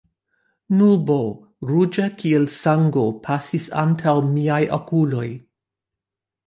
Nubo, ruĝa kiel sango, pasis antaŭ miaj okuloj.